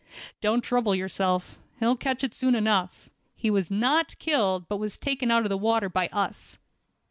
"Don't trouble yourself. He'll catch it soon enough. He was not killed, but was taken out of the water by us."